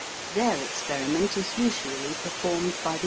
Their experiment is usually performed by the.